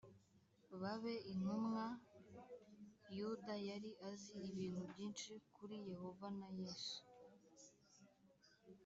babe intumwa yuda yari azi ibintu byinshi kuri yehova na yesu